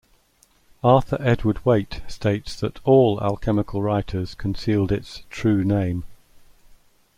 Arthur Edward Waite states that all alchemical writers concealed its "true name".